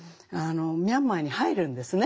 ミャンマーに入るんですね。